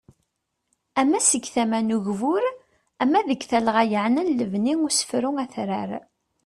Ama seg tama n ugbur, ama deg talɣa yaɛnan lebni usefru atrar.